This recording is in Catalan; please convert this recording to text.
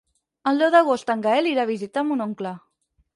El deu d'agost en Gaël irà a visitar mon oncle.